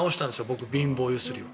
僕、貧乏揺すりは。